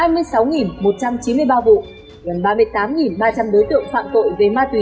hai mươi sáu một trăm chín mươi ba vụ gần ba mươi tám ba trăm linh đối tượng phạm tội về ma túy